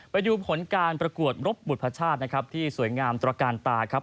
ไปดูผลการประกวดรบบุตรพชาตินะครับที่สวยงามตระการตาครับ